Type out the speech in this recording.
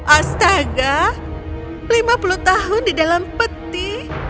astaga lima puluh tahun di dalam peti